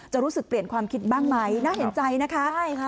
รู้สึกเปลี่ยนความคิดบ้างไหมน่าเห็นใจนะคะใช่ค่ะ